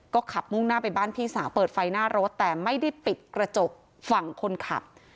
ก็ขับมุ่งหน้าไปบ้านพี่สาวเปิดไฟหน้ารถแต่ไม่ได้ปิดกระจกฝั่งคนขับ